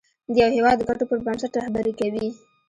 د یو هېواد د ګټو پر بنسټ رهبري کوي.